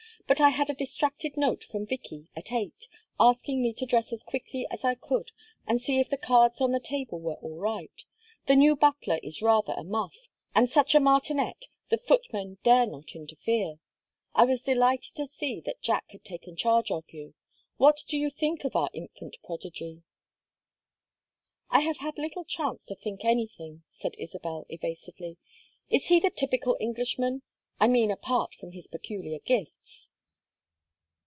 "But I had a distracted note from Vicky at eight asking me to dress as quickly as I could and see if the cards on the table were all right: the new butler is rather a muff, and such a martinet the footmen dare not interfere. I was delighted to see that Jack had taken charge of you. What do you think of our infant prodigy?" "I have had little chance to think anything," said Isabel, evasively. "Is he the typical Englishman I mean apart from his peculiar gifts?"